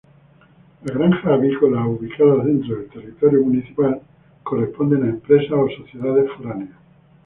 Las granjas avícolas ubicadas dentro del territorio municipal, corresponden a empresas o sociedades foráneas.